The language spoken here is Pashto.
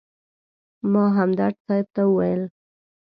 ما همدرد صاحب ته وویل.